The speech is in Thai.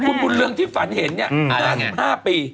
คุณบุญเรืองที่ฝันเห็นเนี่ย๕๕ปี